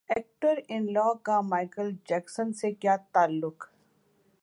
actor in law کا Michael Jackson سے کیا تعلق